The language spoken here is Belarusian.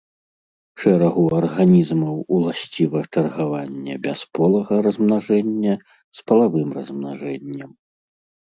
Шэрагу арганізмаў уласціва чаргаванне бясполага размнажэння з палавым размнажэннем.